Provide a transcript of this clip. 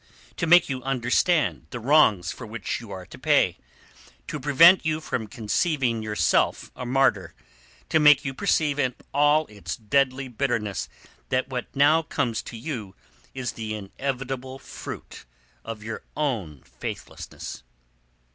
To make you understand the wrongs for which you are called to pay. To prevent you from conceiving yourself a martyr; to make you perceive in all its deadly bitterness that what now comes to you is the inevitable fruit of your own faithlessness."